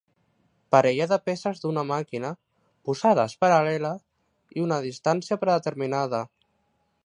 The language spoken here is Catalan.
Parella de peces d'una màquina posades paral·leles i a una distància predeterminada.